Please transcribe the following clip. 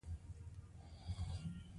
نوموړي د بخار ډبې یوه طرحه جوړه کړه.